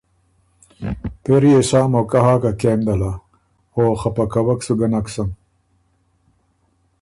”پېری يې سا موقع هۀ که کېم دله، او خپه کوک سُو ګۀ نک سُن“